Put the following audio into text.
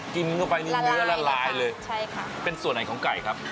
กินเข้าไปนี่เนื้อละลายเลยใช่ค่ะเป็นส่วนไหนของไก่ครับ